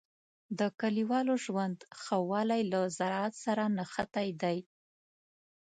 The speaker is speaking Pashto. د کلیوالو ژوند ښه والی له زراعت سره نښتی دی.